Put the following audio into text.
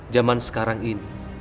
zaman sekarang ini